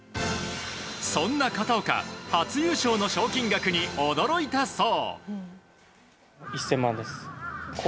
そんな片岡初優勝の賞金額に驚いたそう。